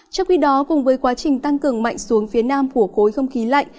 trong khi đó cùng với quá trình tăng cường mạnh xuống phía nam của khối không khí lạnh